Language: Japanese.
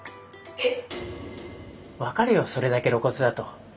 えっ！？